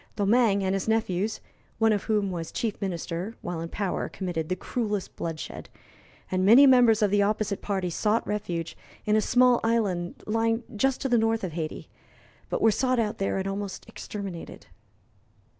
Domingue and his nephews, one of whom was Chief Minister, while in power committed the cruellest bloodshed, and many members of the opposite party sought refuge in a small island lying just to the north of Hayti, but were sought out there and almost exterminated.